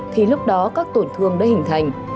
thì lúc đó các tổn thương đã hình thành